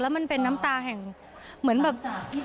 มันเป็นน้ำตาแห่งเหมือนแบบ